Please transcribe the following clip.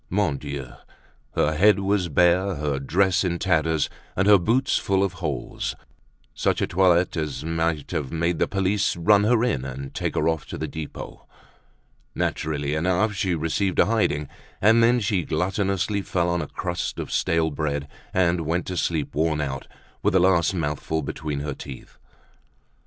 Mon Dieu! her head was bare, her dress in tatters, and her boots full of holes—such a toilet as might have led the police to run her in, and take her off to the Depot. Naturally enough she received a hiding, and then she gluttonously fell on a crust of stale bread and went to sleep, worn out, with the last mouthful between her teeth.